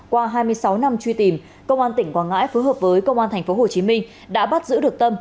qua hai mươi sáu năm truy tìm công an tỉnh quảng ngãi phối hợp với công an tp hcm đã bắt giữ được tâm